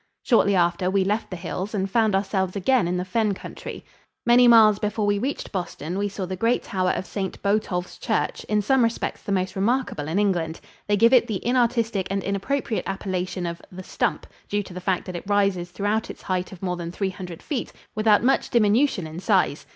Shortly after, we left the hills and found ourselves again in the fen country. Many miles before we reached Boston we saw the great tower of St. Botolph's Church, in some respects the most remarkable in England. They give it the inartistic and inappropriate appellation of "The Stump," due to the fact that it rises throughout its height of more than three hundred feet without much diminution in size.